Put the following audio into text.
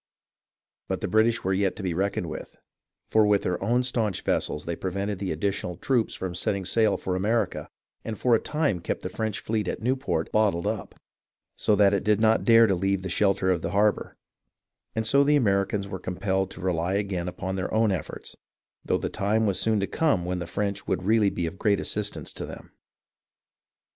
But the British were yet to be reckoned with, for with their own stanch vessels they prevented the addi tional troops from setting sail for America, and for a time kept the French fleet at Newport "bottled up," so that it did not dare to leave the shelter of the harbour ; and so the Americans were compelled to rely again upon their own efforts, though the time was soon to come when the French would really be of great assistance to them.